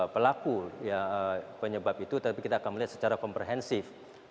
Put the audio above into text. pelaku penyebab itu tapi kita akan melihat secara komprehensif